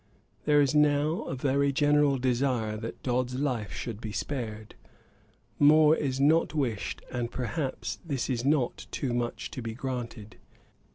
There is now a very general desire that Dodd's life should be spared. More is not wished; and, perhaps, this is not too much to be granted.